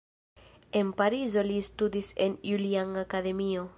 En Parizo li studis en "Julian Akademio".